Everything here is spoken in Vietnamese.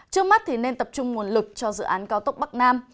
trước mắt thì nên tập trung nguồn lực cho dự án cao tốc bắc nam